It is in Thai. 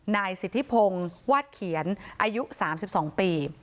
นายสิทธิพงศ์วาดเขียนอายุ๓๒ปี